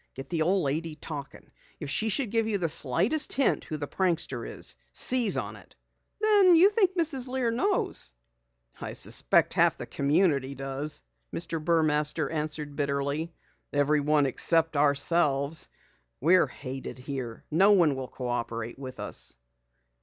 Get the old lady to talking. If she should give you the slightest hint who the prankster is, seize upon it." "Then you think Mrs. Lear knows?" "I suspect half the community does!" Mr. Burmaster answered bitterly. "Everyone except ourselves. We're hated here. No one will cooperate with us."